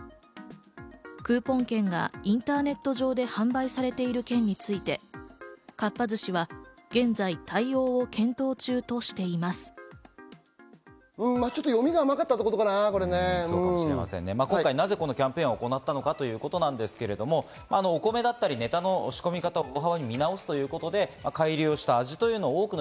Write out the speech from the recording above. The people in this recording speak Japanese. クーポン券がインターネット上で販売されている件についてかっぱ寿司は現在、対応を検討中としています。